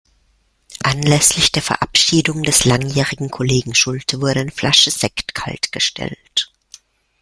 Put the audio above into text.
Anlässlich der Verabschiedung des langjährigen Kollegen Schulte wurde eine Flasche Sekt kaltgestellt.